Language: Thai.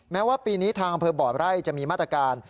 แม้ว่าปีนี้ทางอำเภอบ่อไร่จะมีมาตรการ